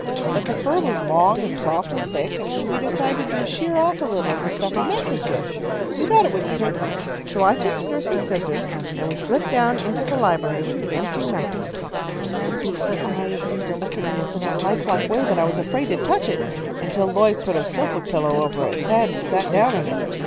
But the fur was long and soft and thick, and we decided to shear off a little to stuff our mattress with. We thought it wouldn't take much. So I took the nurse's scissors, and we slipped down into the library with the empty mattress tick. "The beast's eyes seemed to look at me in such a life like way that I was afraid to touch it until Lloyd put a sofa pillow over its head and sat down on it.